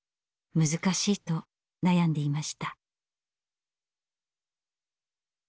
難しいと悩んでいました。